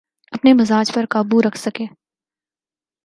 اپنے مزاج پہ قابو رکھ سکے۔